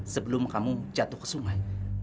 sebelum kamu jatuh ke sungai